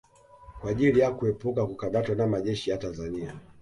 Kwa ajili ya kuepuka kukamatwa na majeshi ya Tanzania